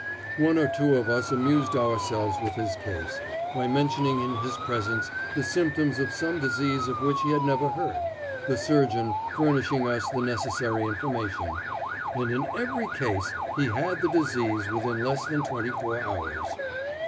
One or two of us amused ourselves with his case, by mentioning in his presence the symptoms of some disease of which he had never heard, the surgeon furnishing us the necessary information, and in every case he had the disease within less than twenty four hours.